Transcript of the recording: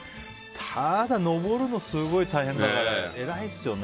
ただ、登るのすごい大変だからえらいですよね。